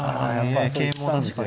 桂も確かに。